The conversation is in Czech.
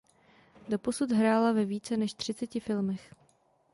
Doposud hrála ve více než třiceti filmech.